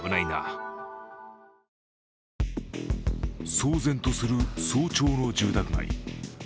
騒然とする早朝の住宅街。